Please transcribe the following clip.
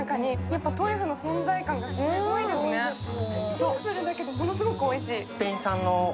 シンプルだけど、ものすごくおいしい。